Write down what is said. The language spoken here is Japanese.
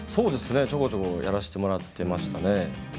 ちょこちょこやらせてもらっていましたね。